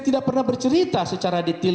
tidak pernah bercerita secara detail